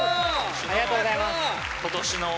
ありがとうございます。